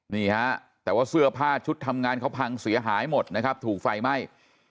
นี่ฮะแต่ว่าเสื้อผ้าชุดทำงานเขาพังเสียหายหมดนะครับถูกไฟไหม้